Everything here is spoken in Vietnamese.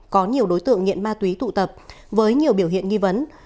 có nhiều đối tượng nghiện ma túy tụ tập với nhiều biểu hiện nghi vấn